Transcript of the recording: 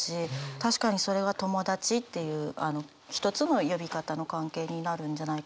確かにそれは友達っていう一つの呼び方の関係になるんじゃないかなと思います。